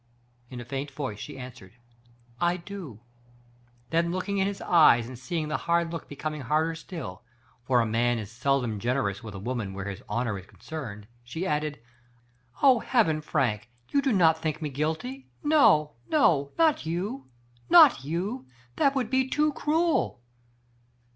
In a faint voice she answered :" I do." Then looking in his eyes and seeing the hard look becoming harder still — for a man is seldom generous with a woman where his honor is concerned, she added : "O Heaven! Frank! You do not think me guilty ! No, no, not you ! not you ! That would be too cruel